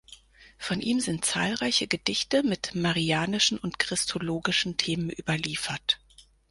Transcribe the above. Von ihm sind zahlreiche Gedichte mit marianischen und christologischen Themen überliefert.